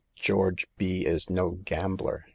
George B is no gam bler.